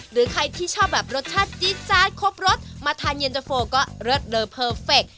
หรือใครที่ชอบแบบรสชาติจี๊ดจาดครบรสมาทานเย็นตะโฟก็เลิศเลอเพอร์เฟค